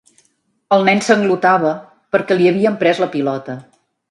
El nen sanglotava perquè li havien pres la pilota.